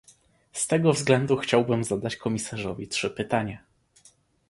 Z tego względu chciałbym zadać komisarzowi trzy pytania